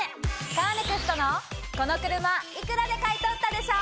カーネクストのこの車幾らで買い取ったでしょ！